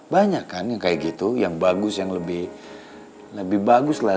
banyak kan yang kayak gitu yang bagus yang lebih bagus lah